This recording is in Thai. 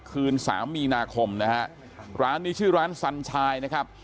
คืนสามมีนาคมนะฮะร้านนี้ชื่อร้านสันชายนะครับ